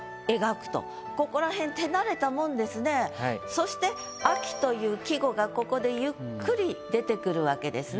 そして「秋」という季語がここでゆっくり出てくるわけですね。